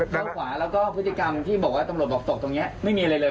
ทางขวาแล้วก็พฤติกรรมที่บอกว่าตำรวจบอกตกตรงนี้ไม่มีอะไรเลย